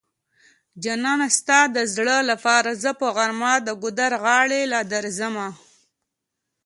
جانانه ستا د زړه لپاره زه په غرمه د ګودر غاړی له درځمه